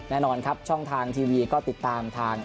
แน่นอนครับช่องทางทีวีก็ติดตามทาง